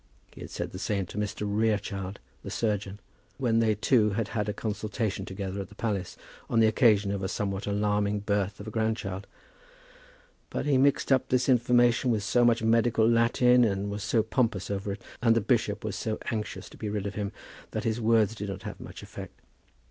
He had said the same to Mr. Rerechild, the surgeon, when they two had had a consultation together at the palace on the occasion of a somewhat alarming birth of a grandchild. But he mixed up this information with so much medical Latin, and was so pompous over it, and the bishop was so anxious to be rid of him, that his words did not have much effect.